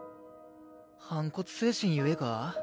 反骨精神ゆえか？